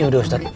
ya udah ustaz